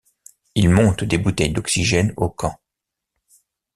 Ils montent des bouteilles d'oxygène au camp.